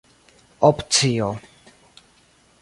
opcio